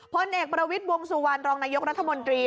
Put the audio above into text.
พลเอกบรวมสุวรรณรองนายกรัฐมนตรี